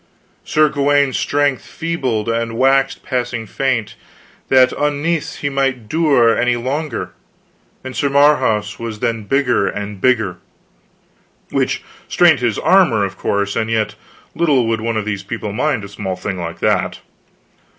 Sir Gawaine's strength feebled and waxed passing faint, that unnethes he might dure any longer, and Sir Marhaus was then bigger and bigger " "Which strained his armor, of course; and yet little would one of these people mind a small thing like that."